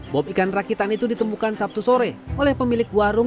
bom ikan rakitan itu ditemukan sabtu sore oleh pemilik warung